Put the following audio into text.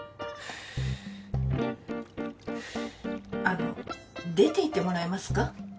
あの出て行ってもらえますか？